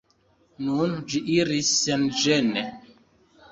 Nun ĝi iris senĝene.